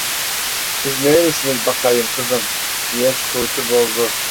"Siz nerelisiniz bakayım, kızım?" diye sükûtu bozdu.